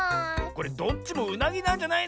これどっちもうなぎなんじゃないの？